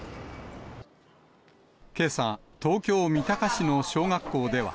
けさ、東京・三鷹市の小学校では。